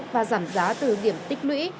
và giảm giá từ điểm tích lũy